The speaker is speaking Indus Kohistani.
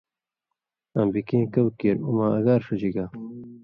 آں بے کیں کؤ کیر او ما اگار ݜژی گا